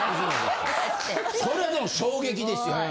それはでも衝撃ですよね。